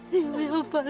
belum dua ulang hari